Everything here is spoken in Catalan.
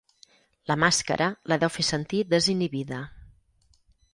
La màscara la deu fer sentir desinhibida.